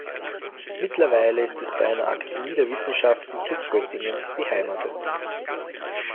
Mittlerweile ist es bei der Akademie der Wissenschaften zu Göttingen beheimatet.